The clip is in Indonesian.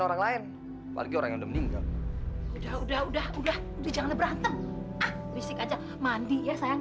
orang lain lagi orang yang meninggal udah udah udah udah udah jangan berantem ah fisik aja mandi